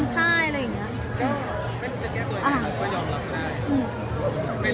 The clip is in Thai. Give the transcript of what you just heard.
ใช่